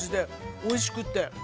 おいしくて。